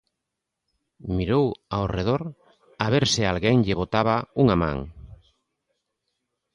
Mirou ao redor a ver se alguén lle botaba unha man.